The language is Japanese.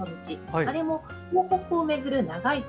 あれも東北を巡る長い旅。